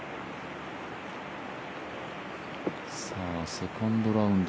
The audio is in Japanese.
セカンドラウンド